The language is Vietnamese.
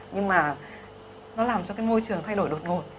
nhưng mà nó làm cho cái môi trường thay đổi đột ngột